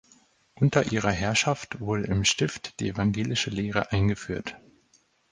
Unter ihrer Herrschaft wurde im Stift die evangelische Lehre eingeführt.